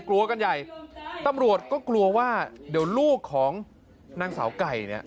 กลัวกันใหญ่ตำรวจก็กลัวว่าเดี๋ยวลูกของนางสาวไก่เนี่ย